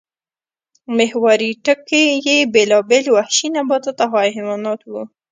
محوري ټکی یې بېلابېل وحشي نباتات او حیوانات وو